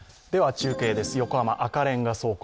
中継です、横浜赤レンガ倉庫